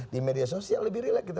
di media sosial lebih relax gitu